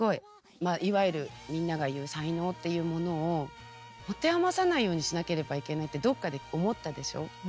まあいわゆるみんなが言う才能っていうものを持て余さないようにしなければいけないってどっかで思ったでしょう？